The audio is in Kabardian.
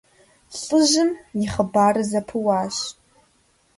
ЛӀыжьым и хъыбарыр зэпыуащ.